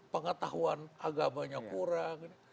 pengetahuan agamanya kurang